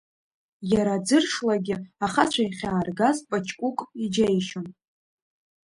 Иара аӡыршлагьы ахацәа иахьааргаз Паҷкәыкә иџьеишьон.